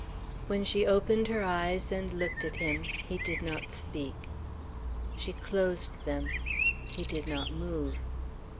When she opened her eyes, and looked at him, he did not speak. She closed them. He did not move.